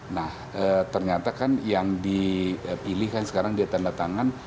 nah ternyata kan yang dipilihkan sekarang dia tanda tangan